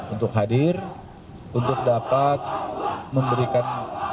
untuk hadir untuk dapat memberikan